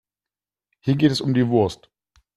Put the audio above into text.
Hier geht es um die Wurst.